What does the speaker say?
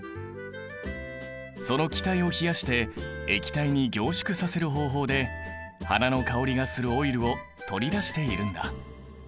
その気体を冷やして液体に凝縮させる方法で花の香りがするオイルを取り出しているんだ。